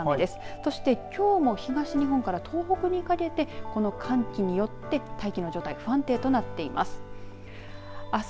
そして、きょうも東日本から東北にかけてこの寒気によって大気の状態不安定となっています。